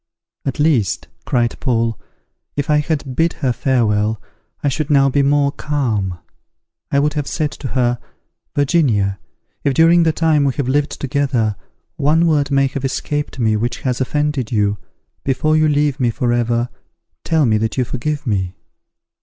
"At least," cried Paul, "if I had bid her farewell, I should now be more calm. I would have said to her, 'Virginia, if, during the time we have lived together, one word may have escaped me which has offended you, before you leave me forever, tell me that you forgive me.'